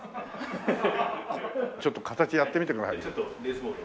ちょっと形やってみてもらえる？